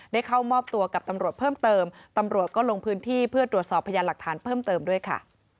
เข้ามอบตัวกับตำรวจเพิ่มเติมตำรวจก็ลงพื้นที่เพื่อตรวจสอบพยานหลักฐานเพิ่มเติมด้วยค่ะ